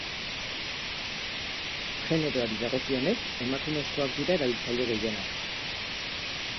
Generoari dagokionez, emakumezkoak dira erabiltzaile gehienak.